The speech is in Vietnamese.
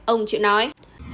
ông triệu nói